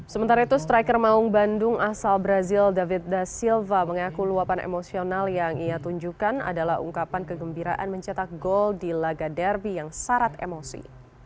sementara itu striker maung bandung asal brazil david da silva mengaku luapan emosional yang ia tunjukkan adalah ungkapan kegembiraan mencetak gol di laga derby yang syarat emosi